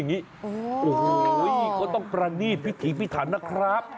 โอ้โหเขาต้องประณีตพิธีพิธรรมนะครับ